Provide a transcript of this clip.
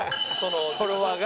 フォロワーが？